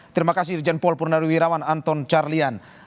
terima kasih irjen paul purnari wirawan anton carlyan